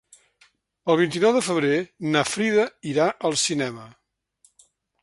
El vint-i-nou de febrer na Frida irà al cinema.